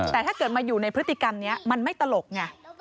แต่ถ้าเกิดมาอยู่ในพฤติกรรมนี้มันไม่ตลกไง